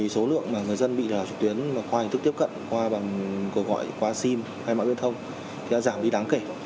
số lượng người dân bị lạc trục tuyến qua hình thức tiếp cận qua gọi qua sim hay mạng biên thông đã giảm đi đáng kể